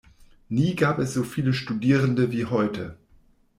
Nie gab es so viele Studierende wie heute.